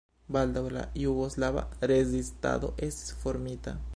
Baldaŭ la jugoslava rezistado estis formita.